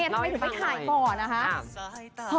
ถ้าที่ไปถ่ายก่อนนะคะ